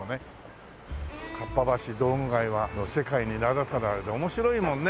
かっぱ橋道具街は世界に名だたるあれで面白いもんね。